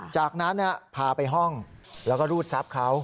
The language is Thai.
จากนั้นพาไปห้องแล้วก็รูดทรัพย์เขา